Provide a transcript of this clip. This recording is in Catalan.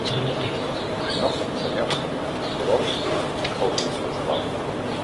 "No, senyor". Llavors escolti, si us plau.